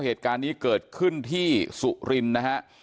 เหตุการณ์นี้เกิดขึ้นที่สุฬินนะครับ